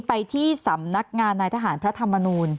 ไปที่สำนักงานนายทหารพระธรรมนูล